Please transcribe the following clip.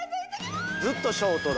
ずっとショートだ。